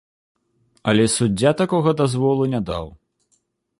Але суддзя такога дазволу не даў.